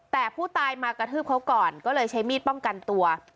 แต่ผู้ตายมากระทืบเขาก่อนก็เลยใช้มีดป้องกันตัว